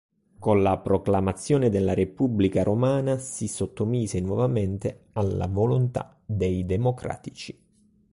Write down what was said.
Con la proclamazione della Repubblica romana si sottomise nuovamente alla volontà dei democratici.